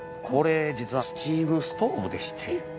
これ実はスチームストーブでして。